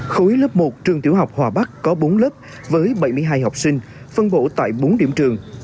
khối lớp một trường tiểu học hòa bắc có bốn lớp với bảy mươi hai học sinh phân bổ tại bốn điểm trường